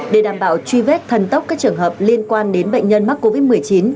để đảm bảo truy vết thần tốc các trường hợp liên quan đến bệnh nhân mắc covid một mươi chín